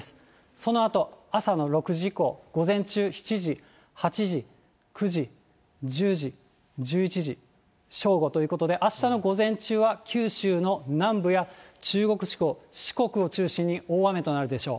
そのあと朝の６時以降、午前中７時、８時、９時、１０時、１１時、正午ということで、あしたの午前中は九州の南部や中国地方、四国を中心に大雨となるでしょう。